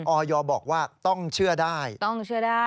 ออยบอกว่าต้องเชื่อได้ต้องเชื่อได้